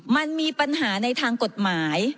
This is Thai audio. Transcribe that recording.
มันมีปัญหาในทางกฎหมาย